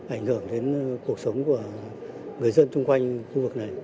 ảnh hưởng đến cuộc sống của người dân chung quanh khu vực này